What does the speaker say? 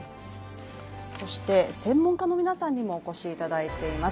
専門家の皆さんにもお越しいただいています。